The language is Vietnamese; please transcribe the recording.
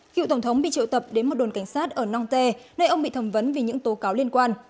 cựu tổng thống bị triệu tập đến một đồn cảnh sát ở nongte nơi ông bị thẩm vấn vì những tố cáo liên quan